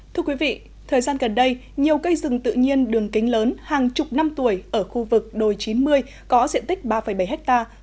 thưa quý vị thời gian gần đây nhiều cây rừng tự nhiên đường kính lớn hàng chục năm tuổi ở khu vực đồi chín mươi có diện tích ba bảy hectare